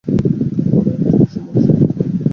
তারপর আর একটি বিষয়ে মনোযোগ দিতে হইবে।